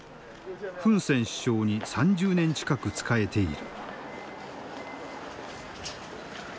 フン・セン首相に３０年近く仕えている。